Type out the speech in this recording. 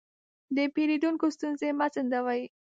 د پیرودونکو ستونزې مه ځنډوئ.